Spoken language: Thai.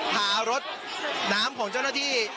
พารถน้ำของเจ้าหน้าที่